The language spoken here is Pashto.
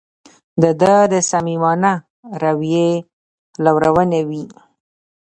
د ده د صمیمانه رویې لورونې وې.